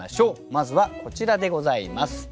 まずはこちらでございます。